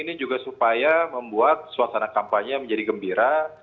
ini juga supaya membuat suasana kampanye menjadi gembira